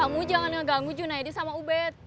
kamu jangan ngeganggu junaidi sama ubed